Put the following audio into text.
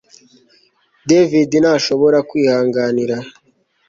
David ntashobora kwihanganira